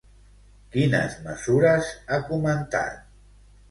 Quines mesures ha comentat?